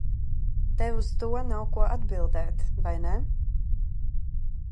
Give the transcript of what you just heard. Tev uz to nav ko atbildēt, vai ne?